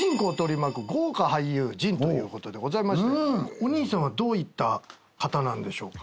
お兄さんはどういった方なんでしょうか？